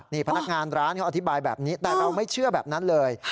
นี่พนักงานร้านเขาอธิบายแบบนี้แต่เราไม่เชื่อแบบนั้นเลย